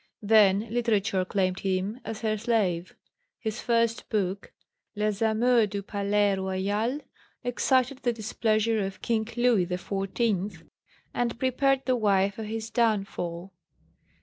Then literature claimed him as her slave. His first book, Les amours du Palais Royal, excited the displeasure of King Louis XIV., and prepared the way for his downfall.